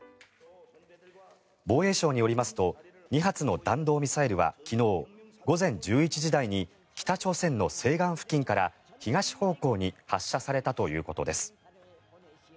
防衛省によりますと２発の弾道ミサイルは昨日午前１１時台に北朝鮮の西岸付近から東方向に発射されたということです。